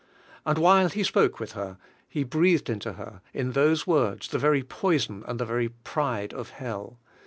And while he spoke with her, he breathed into her, in those words, the very poison and the very pride of hell.